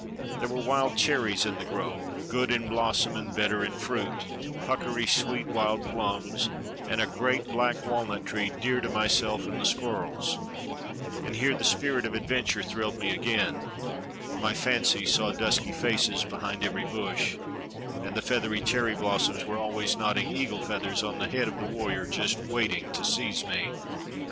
There were wild cherries in the grove, good in blossom and better in fruit, puckery sweet wild plums, and a great black walnut tree dear to myself and the squirrels; and here the spirit of adventure thrilled me again, for my fancy saw dusky faces behind every bush, and the feathery cherry blossoms were always nodding eagle feathers on the head of the warrior just waiting to seize me.